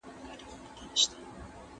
د نورو خبرو ته احترام وکړئ.